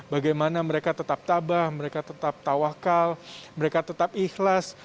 bagaimana mereka tetap tabah mereka tetap tawakal mereka tetap ikhlas